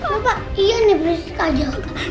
bapak iya ini bersihkan aja